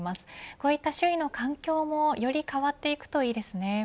こういった周囲の環境も、より変わっていくといいですね。